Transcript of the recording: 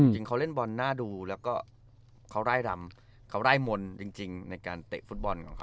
จริงเขาเล่นบอลน่าดูแล้วก็เขาไล่รำเขาไล่มนต์จริงในการเตะฟุตบอลของเขา